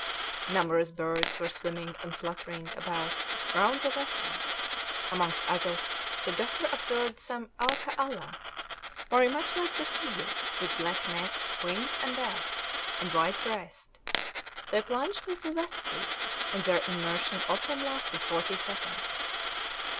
Numerous birds were swimming and fluttering about round the vessel; amongst others, the doctor observed some alca alla, very much like the teal, with black neck, wings and back, and white breast; they plunged with vivacity, and their immersion often lasted forty seconds.